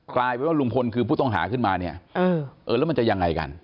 กลายเป็นว่าลุงพลคือผู้ต้องหาขึ้นมาเนี่ยเออแล้วมันจะยังไงกัน